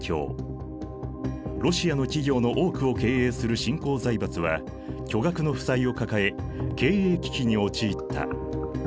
ロシアの企業の多くを経営する新興財閥は巨額の負債を抱え経営危機に陥った。